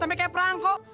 sampai kaya perang kok